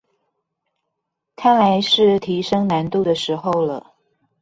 看來是提升難度的時候了